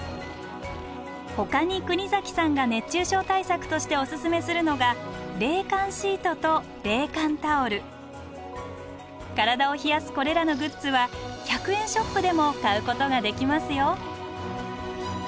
ほかに国崎さんが熱中症対策としてオススメするのが体を冷やすこれらのグッズは１００円ショップでも買うことができますよ。